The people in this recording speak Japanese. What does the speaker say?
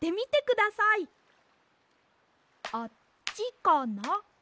あっちかな？